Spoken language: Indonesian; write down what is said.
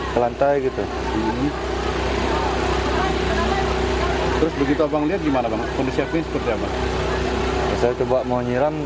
ke lantai gitu terus begitu bang lihat gimana banget kondisi apa sih saya coba mau nyiram